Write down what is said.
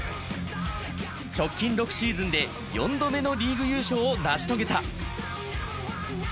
直近６シーズンで４度目のリーグ優勝を成し遂げた。